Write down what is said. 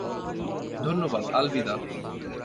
ধন্যবাদ, আলবিদা।